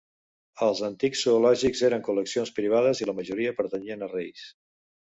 Els antics zoològics eren col·leccions privades i la majoria pertanyien a reis.